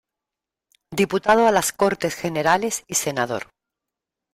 Diputado a las Cortes Generales y senador.